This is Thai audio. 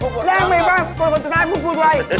สร้างมาบ้างคนตายพูดว่าย